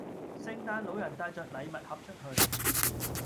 聖誕老人帶着禮物盒出去